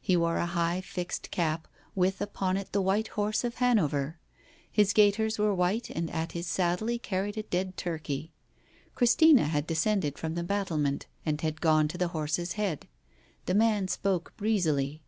He wore a high fixed cap with upon it the White Horse of Hanover; his gaiters were white and at his saddle he carried a dead turkey. Christina had descended from the battle ment, and had gone to the horse's head. The man spoke breezily.